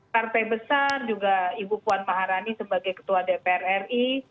partai besar juga ibu puan maharani sebagai ketua dpr ri